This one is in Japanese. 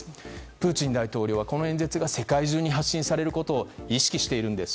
プーチン大統領はこの演説が世界中に発信されることを意識しているんです。